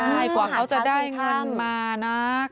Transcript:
ใช่กว่าเขาจะได้เงินมานะ